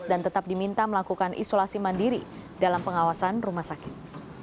dan tetap diminta melakukan isolasi mandiri dalam pengawasan rumah sakit